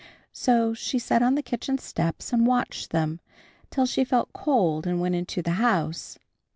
So she sat on the kitchen steps and watched them, till she felt cold and went into the house.